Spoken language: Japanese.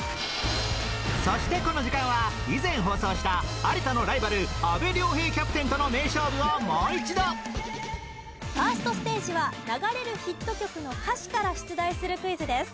そしてこの時間は以前放送した有田のライバル阿部亮平キャプテンとの名勝負をもう一度ファーストステージは流れるヒット曲の歌詞から出題するクイズです。